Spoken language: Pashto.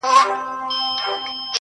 هم ګونګی سو هم یې مځکه نه لیدله!!